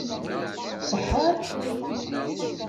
Ṣeḥḥan?